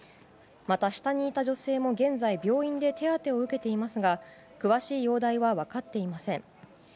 また下にいた女性も現在、病院で手当てを受けていますが詳しい容体は分かっていません。